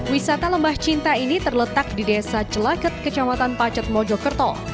wisata lembah cinta ini terletak di desa celaket kecamatan pacet mojokerto